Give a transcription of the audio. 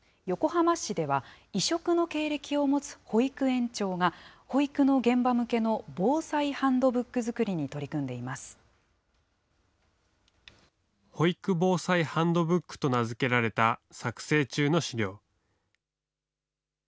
横浜市では、異色の経歴を持つ保育園長が、保育の現場向けの防災ハンドブック作りに取り組ん保育防災ハンドブックと名付けられた作成中の資料。